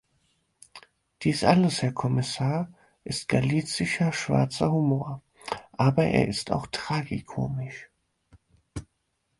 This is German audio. Dies alles, Herr Kommissar, ist galicischer schwarzer Humor, aber er ist auch tragikomisch.